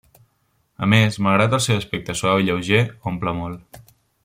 A més, malgrat el seu aspecte suau i lleuger, omple molt.